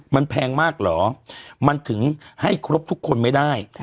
มันแพงมากเหรอมันถึงให้ครบทุกคนไม่ได้